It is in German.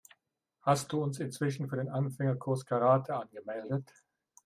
Hast du uns inzwischen für den Anfängerkurs Karate angemeldet?